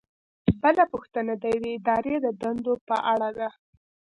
بله پوښتنه د یوې ادارې د دندو په اړه ده.